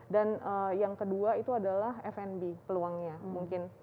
dan yang kedua itu adalah fnb peluangnya mungkin